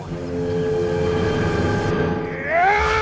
oh itu dia